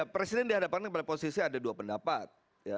presiden dihadapkan pada posisi ada dua pendapat